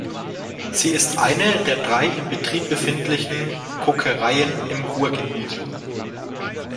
Sie ist eine der drei in Betrieb befindlichen Kokereien im Ruhrgebiet.